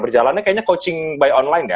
berjalannya kayaknya coaching by online ya